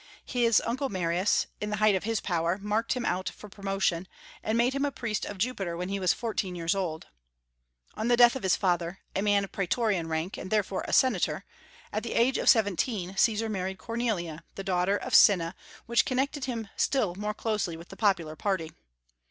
His uncle Marius, in the height of his power, marked him out for promotion, and made him a priest of Jupiter when he was fourteen years old. On the death of his father, a man of praetorian rank, and therefore a senator, at the age of seventeen Caesar married Cornelia, the daughter of Cinna, which connected him still more closely with the popular party.